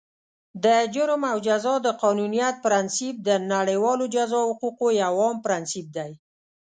د جرم او جزا د قانونیت پرانسیپ، د نړیوالو جزا حقوقو یو عام پرانسیپ دی.